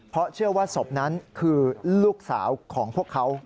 เพราะเชื่อว่าศพนั้นคือลูกสาวของพวกเขา